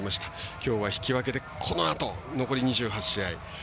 きょうは引き分けでこのあと残り２８試合。